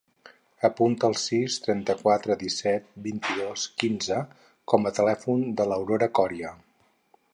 Apunta el sis, trenta-quatre, disset, vint-i-dos, quinze com a telèfon de l'Aurora Coria.